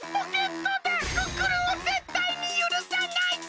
クックルンをぜったいにゆるさないぞ！